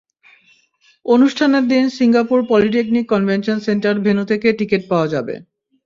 অনুষ্ঠানের দিন Singapore polytechnic convention centre venue থেকে টিকিট পাওয়া যাবে।